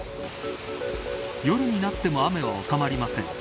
夜になっても雨は収まりません。